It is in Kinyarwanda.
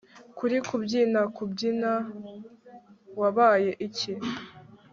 Kuri kubyinakubyina wabaye iki